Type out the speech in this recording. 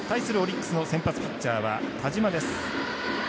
オリックス先発ピッチャーは田嶋です。